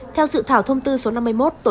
theo dự thảo thông tư số năm mươi một